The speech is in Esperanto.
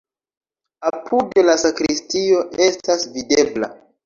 Apude la sakristio estas videbla.